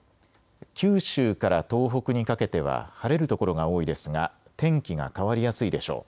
九州から東北にかけては晴れる所が多いですが天気が変わりやすいでしょう。